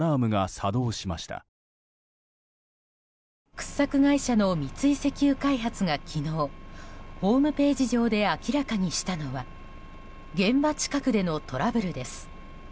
掘削会社の三井石油開発が昨日、ホームページ上で明らかにしたのは現場近くでのトラブルです。